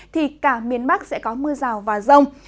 thì cả miền bắc sẽ có mưa rào và rông